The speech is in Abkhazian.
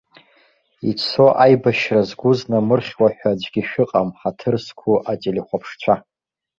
Ицо аибашьра згәы знамырхьуа ҳәа аӡәгьы шәыҟам, ҳаҭыр зқәу ателехәаԥшцәа.